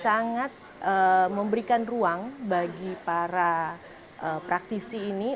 sangat memberikan ruang bagi para praktisi ini